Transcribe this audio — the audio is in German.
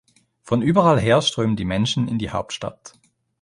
Von überall her strömen die Menschen in die Hauptstadt.